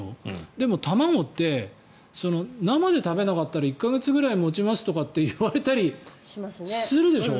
でも卵って生で食べなかったら１か月くらい持ちますと言われたりするでしょ？